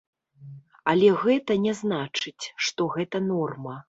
Але гэта не значыць, што гэта норма.